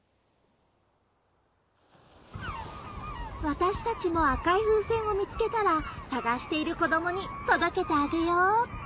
私たちもあかいふうせんをみつけたら探している子どもに届けてあげようっと